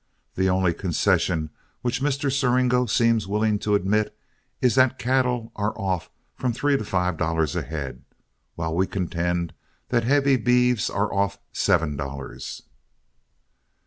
The only concession which Mr. Siringo seems willing to admit is that cattle are off from three to five dollars a head, while we contend that heavy beeves are off seven dollars."